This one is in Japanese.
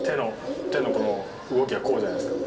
手の動きがこうじゃないですか。